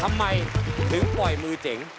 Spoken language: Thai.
ทำไมถึงปล่อยมือเจ๋ง